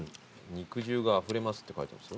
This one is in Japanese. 肉汁があふれますって書いてますよ。